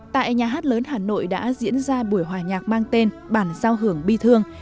tại nhà hát lớn hà nội đã diễn ra buổi hòa nhạc mang tên bản giao hưởng bi thương